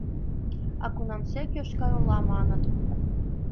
— А кунамсек Йошкар-Ола маныт?